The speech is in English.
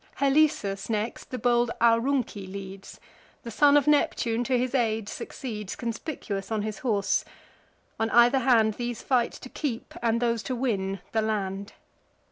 Halesus, next, the bold Aurunci leads: The son of Neptune to his aid succeeds, Conspicuous on his horse. On either hand, These fight to keep, and those to win, the land.